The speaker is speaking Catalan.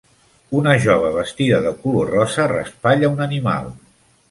Una jove vestida de color rosa raspalla un animal.